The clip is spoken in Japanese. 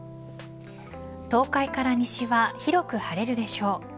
東海から西は広く晴れるでしょう。